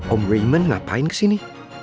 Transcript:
om raymond ngapain kesini